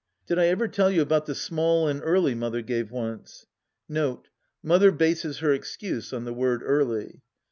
Did I ever tell you about the small and early Mother gave once ? (N.B. Mother bases her excuse on the word Early.)